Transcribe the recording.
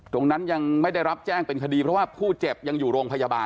ตรงนั้นยังไม่ได้รับแจ้งเป็นคดีเพราะว่าผู้เจ็บยังอยู่โรงพยาบาล